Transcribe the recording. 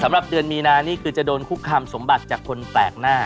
สำหรับเดือนมีนานี่คือจะโดนคุกคามสมบัติจากคนแปลกหน้า